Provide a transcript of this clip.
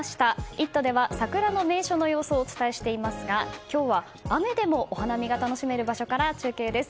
「イット！」では桜の名所の様子をお伝えしていますが今日は雨でもお花見が楽しめる場所から中継です。